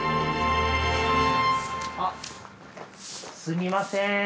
あっすみません。